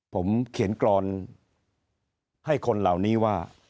ผมเขียนกรอนให้คนเหล่านี้ว่า